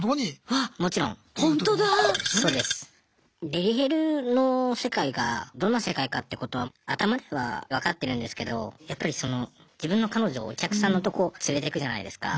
デリヘルの世界がどんな世界かってことは頭では分かってるんですけどやっぱりその自分の彼女をお客さんのとこ連れてくじゃないですか。